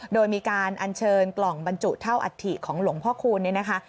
โดยมีการอัญเชิญกล่องบรรจุเท่าอัฐิของหลวงพ่อคูณเนี่ยนะคะ